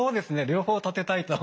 両方立てたいと。